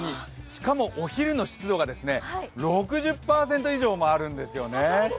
しかもお昼の湿度が６０％以上もあるんですね。